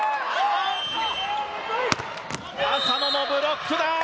麻野のブロックだ。